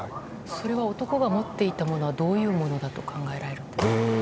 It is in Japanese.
それは男が持っていたものはどういうものだと考えられると？